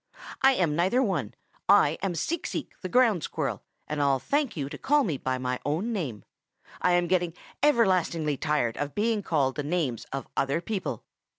"I am neither one. I am Seek Seek the Ground Squirrel, and I'll thank you to call me by my own name. I am getting everlastingly tired of being called the names of other people."